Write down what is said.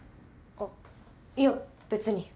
あっいやべつに。